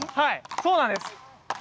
そうなんです。